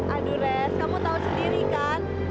aduh les kamu tau sendiri kan